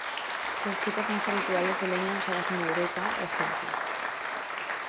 Los tipos más habituales de leña usadas en Europa, ej.